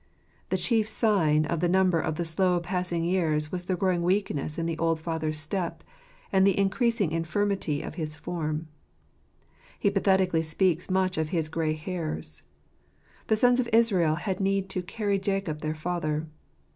The chief sign of the number of the slow passing years was the growing weakness in the old father's step and the increasing infirmity of his form. He pathetically speaks much of his "grey hairs." The sons of Israel had need to "carry Jacob their father."